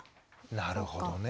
なるほどね。